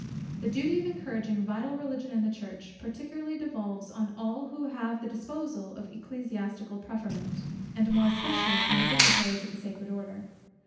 The duty of encouraging vital Religion in the Church particularly devolves on all who have the disposal of ecclesiastical preferment, and more especially on the dignitaries of the sacred order.